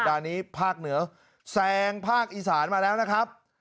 นี้ภาคเหนือแซงภาคอีสานมาแล้วนะครับ